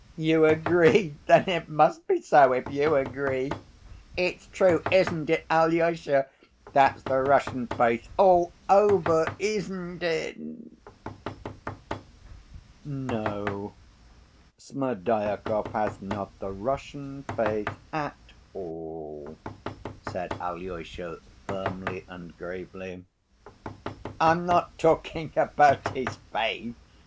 "You agree. Then it must be so, if you agree. It's true, isn't it, Alyosha? That's the Russian faith all over, isn't it?" "No, Smerdyakov has not the Russian faith at all," said Alyosha firmly and gravely. "I'm not talking about his faith.